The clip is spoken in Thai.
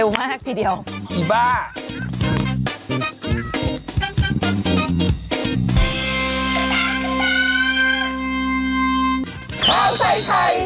หมดเวลาสวัสดีค่ะ